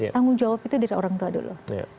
tanggung jawab itu dari orang tua dulu